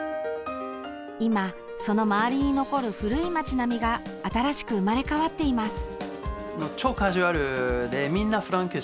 今、その周りに残る古い街並みが新しく生まれ変わっています。